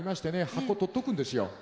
箱取っとくんですよ。